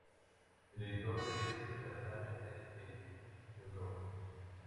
El editor de este certamen es el Pbro.